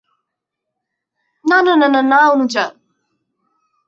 না, না, না, না, অনুযা।